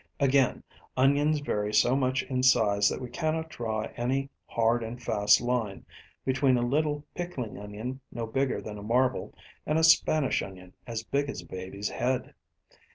Again, onions vary so much in size that we cannot draw any hard and fast line between a little pickling onion no bigger than a marble and a Spanish onion as big as a baby's head.